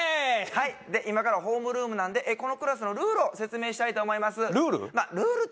はい今からホームルームなんでこのクラスのルールを説明したいと思いますルール？